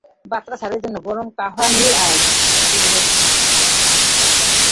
বাতরা স্যারের জন্য গরম কাহওয়া নিয়ে আয়।